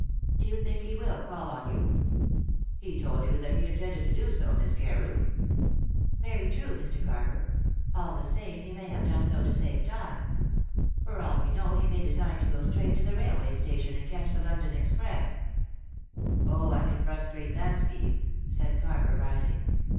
"Do you think he will call on you?" "He told you that he intended to do so, Miss Carew." "Very true, Mr. Carver. All the same, he may have done so to save time. For all we know, he may design to go straight to the railway station and catch the London express." "Oh, I can frustrate that scheme," said Carver, rising. "Mr.